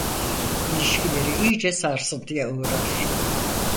İlişkileri iyice sarsıntıya uğrar.